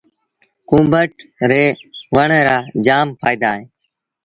ڪُوڀٽ ري وڻ رآ جآم ڦآئيدآ اهيݩ۔